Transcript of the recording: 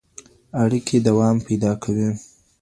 اړیکې دوام پیدا کوي.